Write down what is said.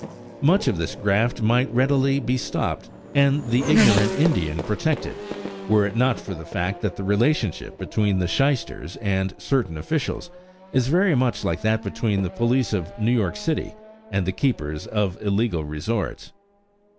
Much of this graft might readily be stopped, and the ignorant Indian protected, were it not for the fact that the relationship between the shysters and certain officials is very much like that between the police of New York City and the keepers of illegal resorts.